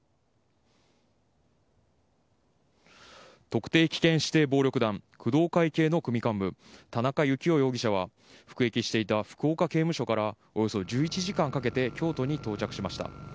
特定危険指定暴力団工藤会系の組幹部、田中幸雄容疑者は服役していた福岡刑務所からおよそ１１時間かけて京都に到着しました。